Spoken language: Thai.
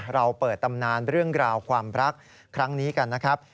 เราเปิดตำนานเรื่องราวความรักครั้งนี้กันนะครับ